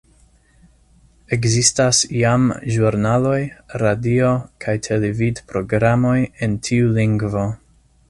Ekzistas jam ĵurnaloj, radio‑ kaj televid‑programoj en tiu lingvo.